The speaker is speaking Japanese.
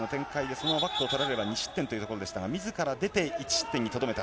そのままバックを取られれば２失点ということでしたが、みずから出て１失点にとどめた。